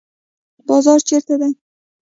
بازار چیرته دی؟